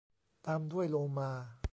ตามด้วยโลมา